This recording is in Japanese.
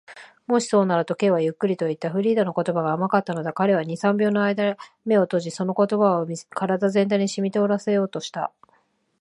「もしそうなら」と、Ｋ はゆっくりといった。フリーダの言葉が甘かったのだ。彼は二、三秒のあいだ眼を閉じ、その言葉を身体全体にしみとおらせようとした。